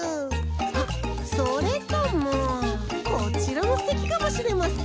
あっそれともこちらもすてきかもしれません。